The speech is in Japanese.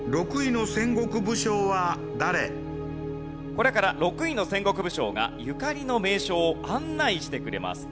これから６位の戦国武将がゆかりの名所を案内してくれます。